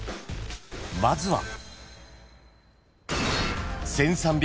［まずは］